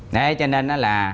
đấy cho nên đó là